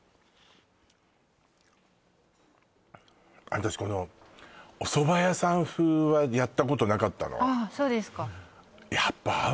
私このおそば屋さん風はやったことなかったのああ